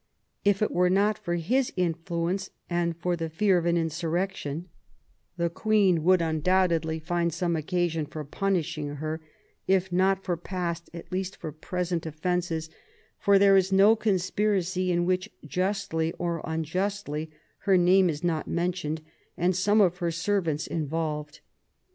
If it were not for his influence and for the fear of an insurrection, the Queen would undoubtedly find some occasion for punishing her, if not for past, at least for present, offences ; for there is no conspiracy in which, justly or unjustly, her name is not mentioned and some of her servants involved.